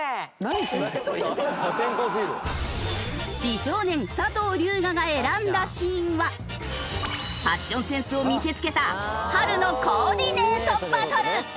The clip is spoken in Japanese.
美少年佐藤龍我が選んだシーンはファッションセンスを見せつけた春のコーディネートバトル！